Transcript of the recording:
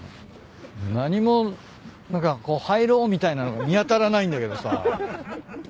何も何かこう入ろうみたいなの見当たらないんだけどさ。